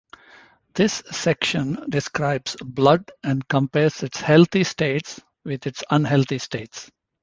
This section describes blood and compares its healthy states with its unhealthy states.